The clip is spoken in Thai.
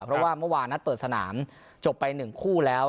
เพราะว่าเมื่อวานนัดเปิดสนามจบไป๑คู่แล้ว